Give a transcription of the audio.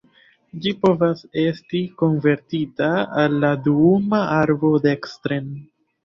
Ĝi povas esti konvertita al la duuma arbo dekstren.